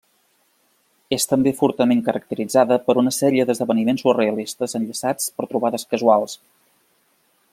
És també fortament caracteritzada per una sèrie d'esdeveniments surrealistes enllaçats per trobades casuals.